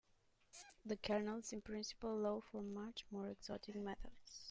The kernels in principle allow for much more exotic methods.